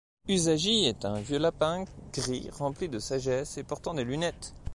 Usajii est un vieux lapin gris rempli de sagesse et portant des lunettes.